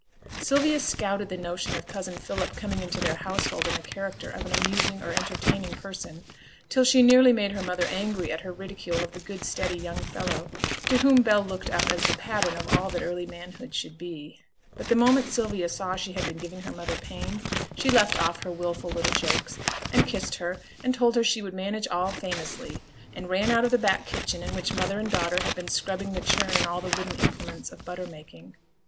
Sylvia scouted the notion of cousin Philip coming into their household in the character of an amusing or entertaining person, till she nearly made her mother angry at her ridicule of the good steady young fellow, to whom Bell looked up as the pattern of all that early manhood should be. But the moment Sylvia saw she had been giving her mother pain, she left off her wilful little jokes, and kissed her, and told her she would manage all famously, and ran out of the back kitchen, in which mother and daughter had been scrubbing the churn and all the wooden implements of butter making.